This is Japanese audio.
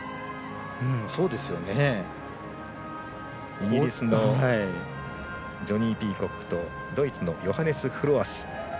イギリスのジョニー・ピーコックとドイツのヨハネス・フロアス。